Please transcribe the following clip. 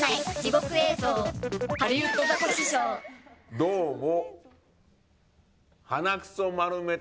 どうも。